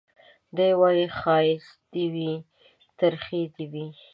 دی وايي ښايستې دي وي ترخې دي وي